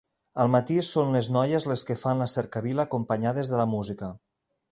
Al matí, són les noies les que fan la cercavila, acompanyades de la música.